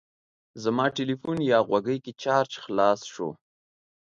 زما تلیفون یا غوږۍ کې چارج خلاص شو.